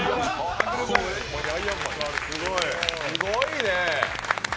すごいね。